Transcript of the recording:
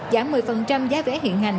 giảm một mươi giá vé hiện hành